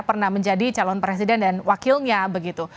pernah menjadi calon presiden dan wakilnya begitu